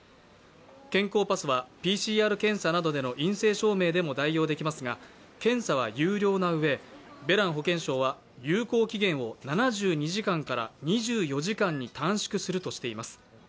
健康パスはＰＣＲ検査などでの陰性証明でも代用できますが検査は有料な上、ベラン保健相は有効期限を７２時間から２４時間に短縮するとしています。